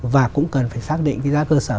và cũng cần phải xác định cái giá cơ sở